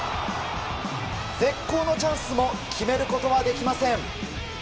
絶好のチャンスも決めることはできません。